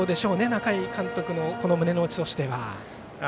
仲井監督の胸の内としては。